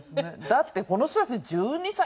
だってこの人たち１２歳とかさ。